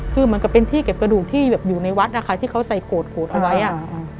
คือเหมือนกับเป็นที่เก็บกระดูกที่แบบอยู่ในวัดนะคะที่เขาใส่โกรธโกรธเอาไว้อ่ะอืม